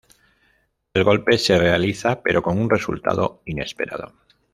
El golpe se realiza, pero con un resultado inesperado.